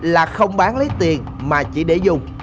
là không bán lấy tiền mà chỉ để dùng